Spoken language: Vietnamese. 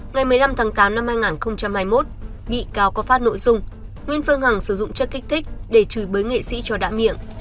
nguyễn phương hằng sử dụng chất kích thích để trừ bới nghệ sĩ cho đã miệng